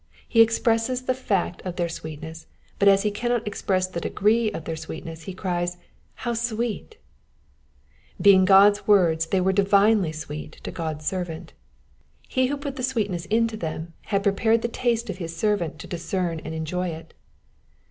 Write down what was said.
He expresses the fact of their sweetness, but as he cannot express the degree of their sweetness he cries, " How sweet I" Being God's words they were divinely sweet to God's servant ; he who put the sweetness into them had prepared the taste of his servant to aiscern and enjoy it.